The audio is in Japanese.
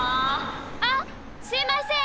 あっすいません！